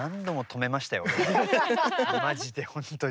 マジで本当に。